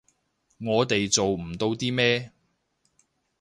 我哋做唔到啲咩